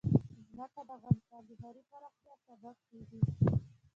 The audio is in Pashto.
ځمکه د افغانستان د ښاري پراختیا سبب کېږي.